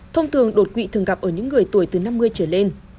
thông thường đột quỵ thường gặp ở những người tuổi từ năm mươi trở lên